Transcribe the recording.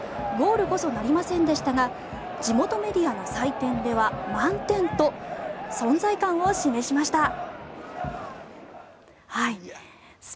ゴールこそなりませんでしたが地元メディアの採点では満点と存在感を示しました。